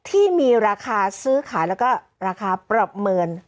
ที่มีราคาซื้อขายแล้วก็ราคาปรับเมิน